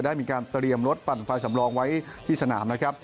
ได้มีการเตรียมรถปั่นไฟสำรองไว้ที่สนามนะครับ